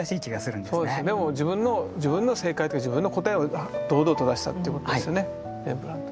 自分の正解とか自分の答えを堂々と出したってことですよねレンブラント。